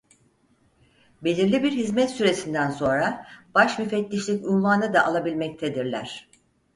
Belirli bir hizmet süresinden sonra başmüfettişlik unvanı da alabilmektedirler.